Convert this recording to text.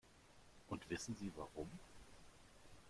Und wissen Sie warum?